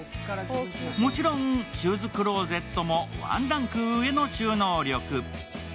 もちろんシューズクローゼットもワンランク上の収納力。